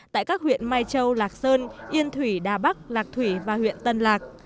tại các huyện mai châu lạc sơn yên thủy đà bắc lạc thủy và huyện tân lạc